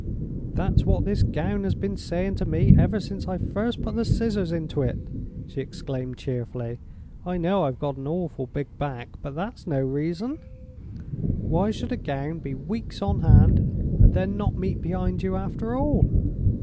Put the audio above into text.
"That's what this gown has been saying to me ever since I first put the scissors into it," she exclaimed, cheerfully. "I know I've got an awful big back, but that's no reason. Why should a gown be weeks on hand, and then not meet behind you after all?